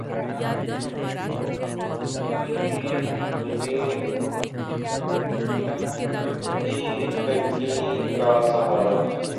ڈیںبتیں کیں تنکیں کا سہارا